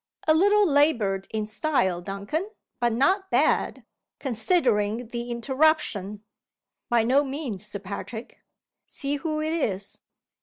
"A little labored in style, Duncan. But not bad, considering the interruption?" "By no means, Sir Patrick." "See who it is."